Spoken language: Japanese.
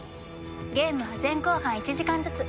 ゲームは前後半１時間ずつ。